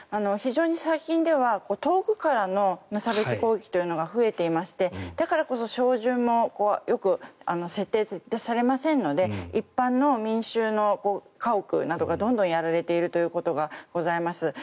非常に最近では遠くからの無差別攻撃というのが増えていまして、だからこそ照準もよく設定されませんので一般の民衆の家屋などがどんどんやられているということがございます。